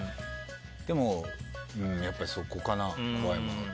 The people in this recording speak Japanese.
でも、やっぱりそこかな怖いものって。